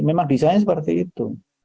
memang desain seperti itu